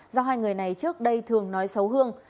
do hai người này trước đây thường nói xấu hương